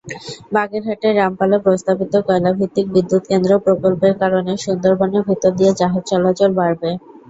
বাগেরহাটের রামপালে প্রস্তাবিত কয়লাভিত্তিক বিদ্যুৎকেন্দ্র প্রকল্পের কারণে সুন্দরবনের ভেতর দিয়ে জাহাজ চলাচল বাড়বে।